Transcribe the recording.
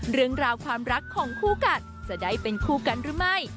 เรื่องราวความรักของคู่กัดจะได้เป็นคู่กันหรือไม่